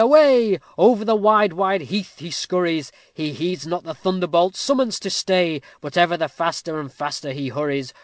away! Over the wide wide heath he scurries; He heeds not the thunderbolt summons to stay, But ever the faster and faster he hurries.